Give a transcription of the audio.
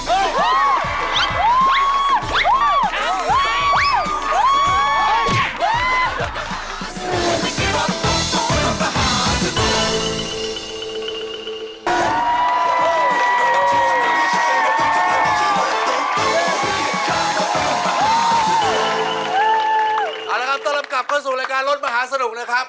เอาละครับต้อนรับกลับเข้าสู่รายการรถมหาสนุกนะครับ